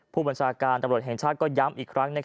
ผู้บัญชาการตำรวจแห่งชาติก็ย้ำอีกครั้ง